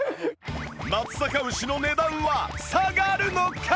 松阪牛の値段は下がるのか！？